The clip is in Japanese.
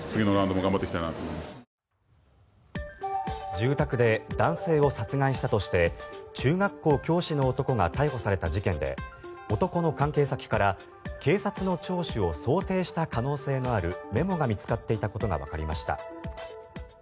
住宅で男性を殺害したとして中学校教師の男が逮捕された事件で男の関係先から警察の聴取を想定した可能性のあるメモが見つかっていたことがわかりました。